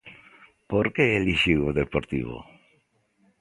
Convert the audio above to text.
Por que elixiu o Deportivo?